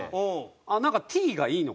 あっなんか「Ｔ」がいいのかな？